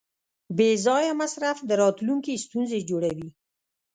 بېځایه مصرف د راتلونکي ستونزې جوړوي.